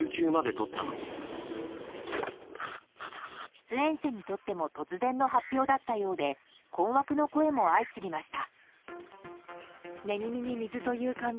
出演者にとっても突然の発表だったようで困惑の声も相次ぎました。